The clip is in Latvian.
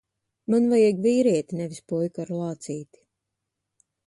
Man vajag vīrieti, nevis puiku ar lācīti.